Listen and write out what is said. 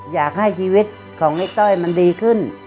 อยากให้ชีวิตของไอ้ต้อยมันดีขึ้น